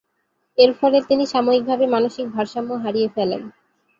এর ফলে তিনি সাময়িকভাবে মানসিক ভারসাম্য হারিয়ে ফেলেন।